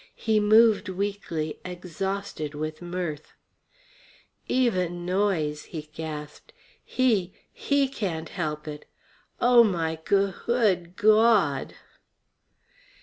He moved weakly, exhausted with mirth. "Even Noyes," he gasped. "He he can't help it. Oh, my goo hood Gaw hud!"